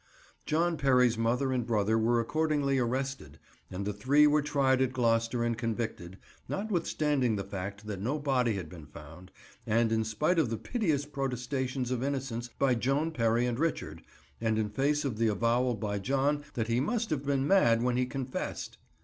John Perry's mother and brother were accordingly arrested and the three were tried at Gloucester and convicted, notwithstanding the fact that no body had been found, and in spite of the piteous protestations of innocence by Joan Perry and Richard, and in face of the avowal by John that he must have been mad when he "confessed."